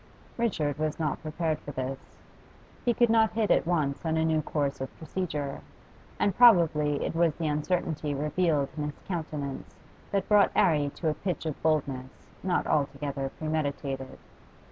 Richard was not prepared for this; he could not hit at once on a new course of procedure, and probably it was the uncertainty revealed in his countenance that brought 'Arry to a pitch of boldness not altogether premeditated.